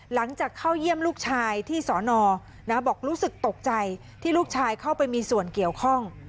หลังจากเข้าเยี่ยมลูกชายที่สอนอบอกรู้สึกตกใจที่ลูกชายเข้าไปมีส่วนเกี่ยวข้อง